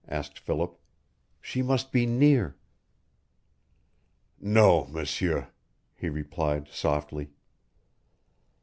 asked Philip. "She must be near." "No, M'sieur," he replied, softly.